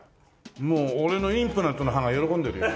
もう俺のインプラントの歯が喜んでるよ。